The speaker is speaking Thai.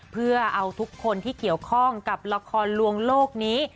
เพื่อเอาทุกคนที่เกี่ยวข้องกับละครลวงโลกนี้